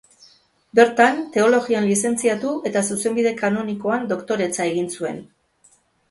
Bertan, Teologian lizentziatu eta Zuzenbide Kanonikoan doktoretza egin zuen.